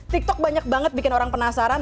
tiktok banyak banget bikin orang penasaran